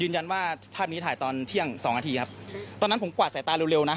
ว่าภาพนี้ถ่ายตอนเที่ยงสองนาทีครับตอนนั้นผมกวาดสายตาเร็วนะ